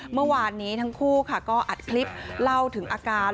เมื่อวานนี้ทั้งคู่ค่ะก็อัดคลิปเล่าถึงอาการ